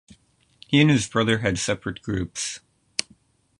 He and his brother had separate groups.